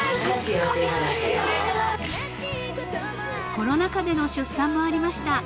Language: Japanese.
［コロナ禍での出産もありました］